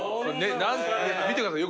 見てください